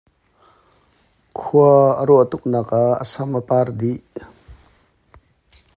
Khua a ruah tuknak ah a sam a par dih.